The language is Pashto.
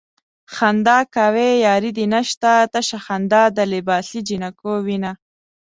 خندا کوې ياري دې نشته تشه خندا د لباسې جنکو وينه